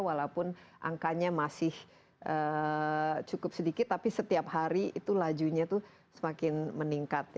walaupun angkanya masih cukup sedikit tapi setiap hari itu lajunya itu semakin meningkat